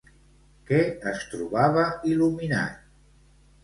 Què es trobava il·luminat?